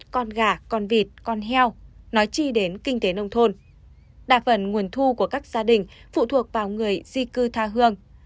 các gia đình phụ thuộc vào người di cư tha hương